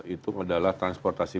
itu adalah transportasi